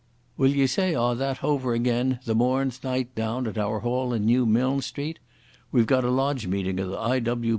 "Wull ye say a' that over again the morn's night down at our hall in Newmilns Street? We've got a lodge meeting o' the I.